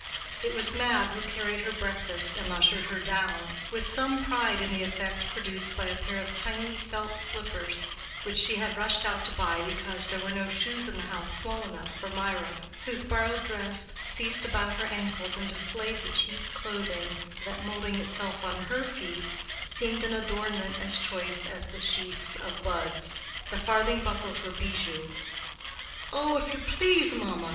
It was Mab who carried her breakfast and ushered her down—with some pride in the effect produced by a pair of tiny felt slippers which she had rushed out to buy because there were no shoes in the house small enough for Mirah, whose borrowed dress ceased about her ankles and displayed the cheap clothing that, moulding itself on her feet, seemed an adornment as choice as the sheaths of buds. The farthing buckles were bijoux. "Oh, if you please, mamma?"